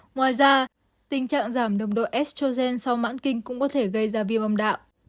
ngoài ra tình trạng giảm đồng đội estrogen sau mãn kinh cũng có thể gây ra viêm âm đạo